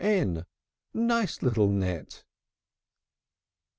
n! Nice little net!